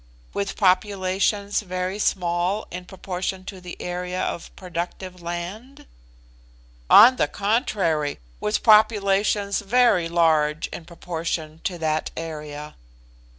"With populations very small in proportion to the area of productive land?" "On the contrary, with populations very large in proportion to that area."